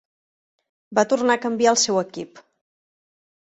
Va tornar a canviar el seu equip.